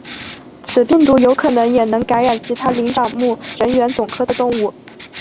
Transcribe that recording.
此病毒有可能也能感染其他灵长目人猿总科的动物。